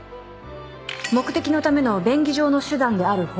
目的のための便宜上の手段である方便。